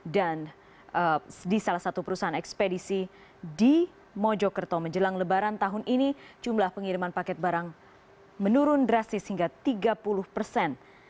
dan di salah satu perusahaan ekspedisi di mojokerto menjelang lebaran tahun ini jumlah pengiriman paket barang menurun drastis hingga tiga puluh persen